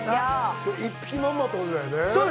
１匹まんまってことだよね？